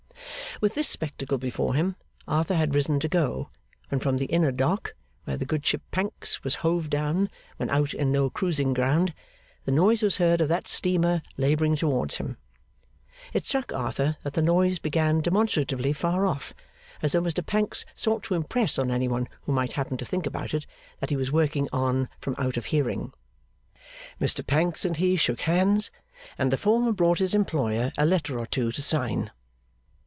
With this spectacle before him, Arthur had risen to go, when from the inner Dock where the good ship Pancks was hove down when out in no cruising ground, the noise was heard of that steamer labouring towards him. It struck Arthur that the noise began demonstratively far off, as though Mr Pancks sought to impress on any one who might happen to think about it, that he was working on from out of hearing. Mr Pancks and he shook hands, and the former brought his employer a letter or two to sign.